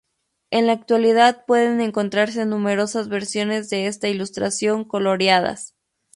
En la actualidad pueden encontrarse numerosas versiones de esta ilustración coloreadas.